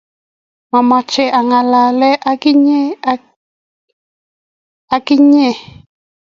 mamoche angalal ak inye akeny.